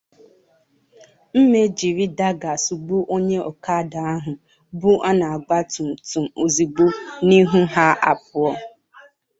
ma jiri dágà sụgbuo onye ọkada ahụ bu ha n'ọgbatumtum ozigbo n'ihu ha abụọ